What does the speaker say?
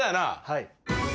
はい。